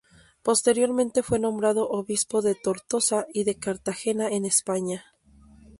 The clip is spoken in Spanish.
Posteriormente fue nombrado Obispo de Tortosa y de Cartagena en España.